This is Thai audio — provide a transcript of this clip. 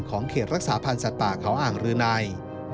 เขตรักษาพันธ์สัตว์ป่าเขาอ่างรืนัย